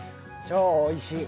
超おいしい。